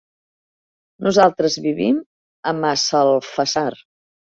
Nosaltres vivim a Massalfassar.